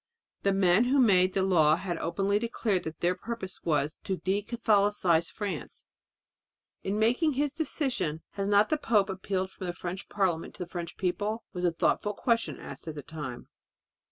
The men who made the law had openly declared that their purpose was to decatholicize France. "In making his decision, has not the pope appealed from the French parliament to the French people?" was a thoughtful question asked at the time.